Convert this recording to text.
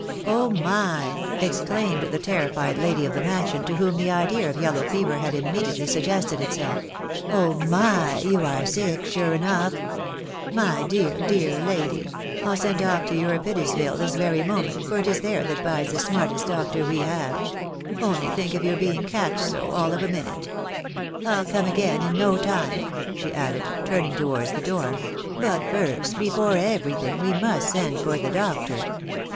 " Oh my !" exclaimed the terrified lady of the mansion, to whom the idea of yellow fever had immediately suggested itself, —" oh my ! you are sick, sure enough ! My dear, dear lady, I'll send off to EuripedesviUe this very moment, for it is there that bides the smartest doctor we have. Only think of your being catched so, all of a minute! I'll come again in no time," she added, turning towards the door ;" but first, before everything, we must send for the doctor."